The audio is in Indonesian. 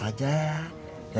yang jadi pemimpin pengajiannya